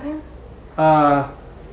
itu sebenarnya nama ayah saya